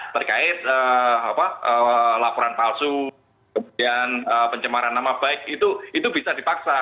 terkait laporan palsu kemudian pencemaran nama baik itu bisa dipaksa